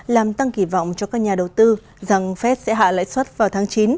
làm tăng kỳ vọng cho các nhà đầu tư rằng fed sẽ hạ lãi suất vào tháng chín